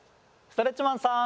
ストレッチマンさん